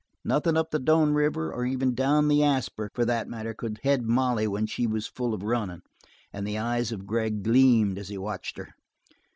Nothing up the Doane River, or even down the Asper, for that matter, could head Molly when she was full of running, and the eyes of Gregg gleamed as he watched her.